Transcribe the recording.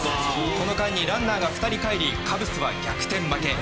この間にランナーが２人かえりカブスは逆転負け。